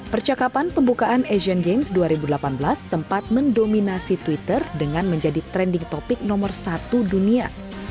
percakapan pembukaan asian games dua ribu delapan belas sempat mendominasi twitter dengan menjadi trending topic nomor satu dunia